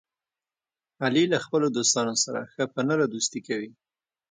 علي له خپلو دوستانو سره ښه په نره دوستي کوي.